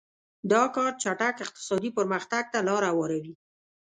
دا کار چټک اقتصادي پرمختګ ته لار هواروي.